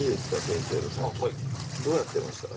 先生のさっきどうやってました？